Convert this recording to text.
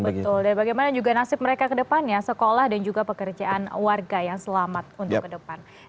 betul dan bagaimana juga nasib mereka ke depannya sekolah dan juga pekerjaan warga yang selamat untuk ke depan